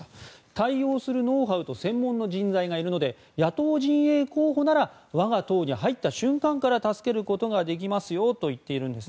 対応するノウハウと専門の人材がいるので野党陣営候補なら我が党に入った瞬間から助けることができますよと言っています。